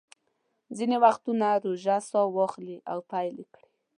ځینې وختونه ژوره ساه واخلئ او پیل یې کړئ.